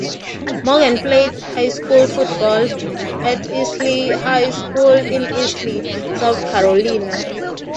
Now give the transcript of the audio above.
Morgan played high school football at Easley High School in Easley, South Carolina.